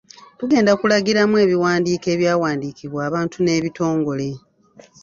Tugenda kulagiramu ebiwandiiko ebyawandiikibwa abantu n’ebitongole.